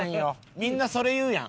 みんなそれ言うやん。